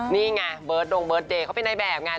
นี่ไงเบิร์ดดงเบิร์ดเดย์เขาเป็นในแบบไง